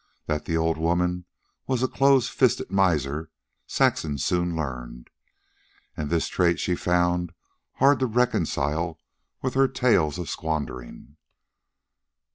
That the old woman was a close fisted miser, Saxon soon learned. And this trait she found hard to reconcile with her tales of squandering.